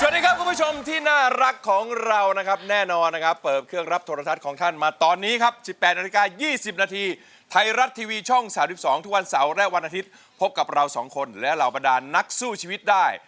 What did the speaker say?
ได้ให้ล้านลูกทุ่งสู้ชีวิต